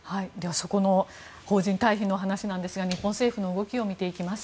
その邦人退避のお話ですが日本政府の動きを見ていきます。